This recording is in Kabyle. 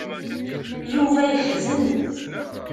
Yuba yeḥzen.